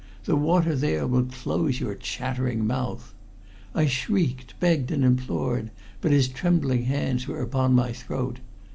The water there will close your chattering mouth!' I shrieked, begged, and implored, but his trembling hands were upon my throat.